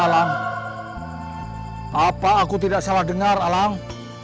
apa alang apa aku tidak salah dengar alang